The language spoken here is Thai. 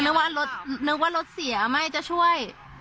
นึกว่ารถเสียไม่จะช่วย